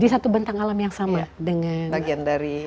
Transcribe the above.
di satu bentang alam yang sama dengan bagian dari